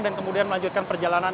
dan kemudian melanjutkan perjalanan